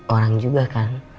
orang juga kan